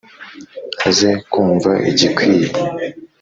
Aze kumva igikwiye.